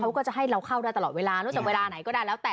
เขาก็จะให้เราเข้าได้ตลอดเวลานอกจากเวลาไหนก็ได้แล้วแต่